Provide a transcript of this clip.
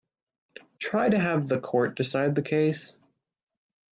Try to have the court decide the case.